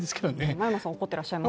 真山さん、怒ってらっしゃいます？